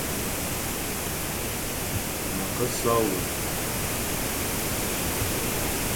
Me ke so wé,